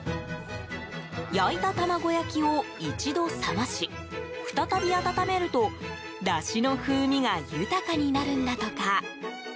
焼いた卵焼きを一度冷まし、再び温めるとだしの風味が豊かになるんだとか。